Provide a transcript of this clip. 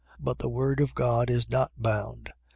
But the word of God is not bound.